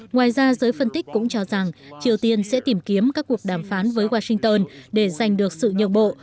ngoài ra giới phân tích cũng cho rằng triều tiên sẽ tìm kiếm các cuộc đàm phán với washington để giành được sự nhượng bộ